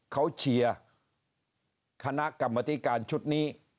เขาเชียร์คณะกรรมธิการชุดนี้